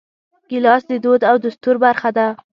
ګیلاس د دود او دستور برخه ده.